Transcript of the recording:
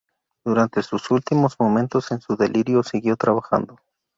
Durante sus últimos momentos en su delirio, siguió trabajando.